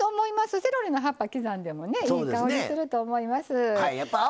セロリの葉っぱ刻んでもいい香りすると思います。